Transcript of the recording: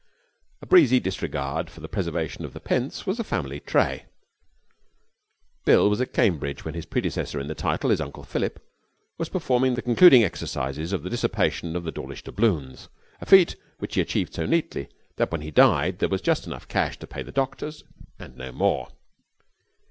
A breezy disregard for the preservation of the pence was a family trait. Bill was at Cambridge when his predecessor in the title, his Uncle Philip, was performing the concluding exercises of the dissipation of the Dawlish doubloons, a feat which he achieved so neatly that when he died there was just enough cash to pay the doctors, and no more.